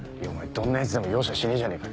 どんなヤツでも容赦しねえじゃねぇか。